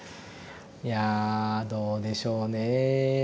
いやぁどうでしょうね。